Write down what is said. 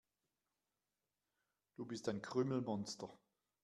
Du bist ein Krümelmonster.